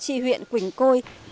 trị huyện quỳnh côi